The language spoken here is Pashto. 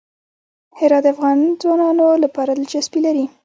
هرات د افغان ځوانانو لپاره دلچسپي لري.